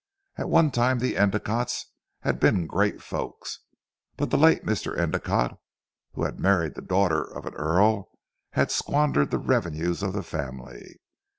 At one time the Endicottes had been great folks, but the late Mr. Endicotte who had married the daughter of an Earl, had squandered the revenues of the family.